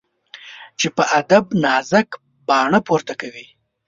چي په ادب نازک باڼه پورته کوي